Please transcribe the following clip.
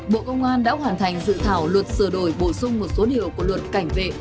bộ công an đã hoàn thành dự thảo luật sửa đổi bổ sung một số điều của luật cảnh vệ